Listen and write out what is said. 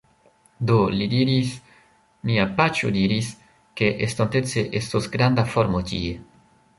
Do, li diris... mia paĉjo diris, ke estontece estos granda forno tie